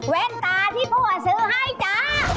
เว้นตาที่ผัวซื้อให้จ๊ะ